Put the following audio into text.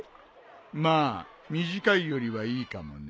まぁ短いよりはいいかもね。